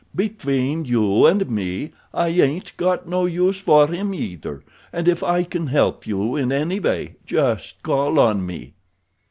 Between you and me I ain't got no use for him either, and if I can help you any way just call on me."